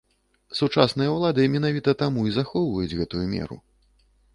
Сучасныя ўлады менавіта таму і захоўваюць гэтую меру.